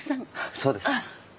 そうです。